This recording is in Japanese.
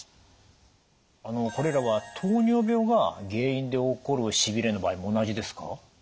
これらは糖尿病が原因で起こるしびれの場合も同じですか？